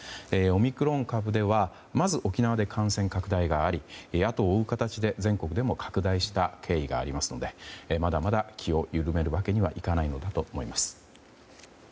オミクロン株ではまず、沖縄で感染拡大があり後を追う形で全国でも拡大した経緯がありますのでまだまだ気を緩めるわけにはいかないのだと思います。